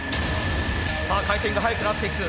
さあ回転が速くなっていく。